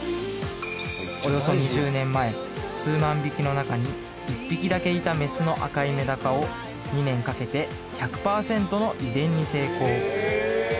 およそ２０年前数万匹の中に１匹だけいたメスの赤いめだかを２年かけて１００％の遺伝に成功